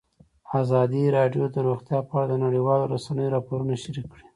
ازادي راډیو د روغتیا په اړه د نړیوالو رسنیو راپورونه شریک کړي.